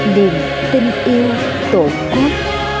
niềm tình yêu tổ quốc